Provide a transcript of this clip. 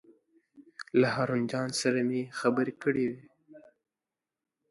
له هارون جان سره مې مخکې خبرې کړې وې.